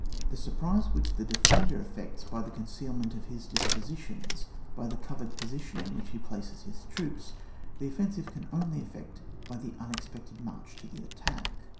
The surprise which the defender effects by the concealment of his dispositions, by the covered position in which he places his troops, the offensive can only effect by the unexpected march to the attack.